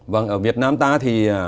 vâng ở việt nam ta thì